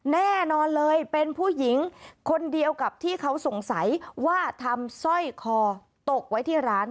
แน่นอนเลยเป็นผู้หญิงคนเดียวกับที่เขาสงสัยว่าทำสร้อยคอตกไว้ที่ร้าน